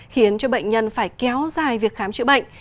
khiến cho bệnh nhân phải kéo dài việc khám chữa bệnh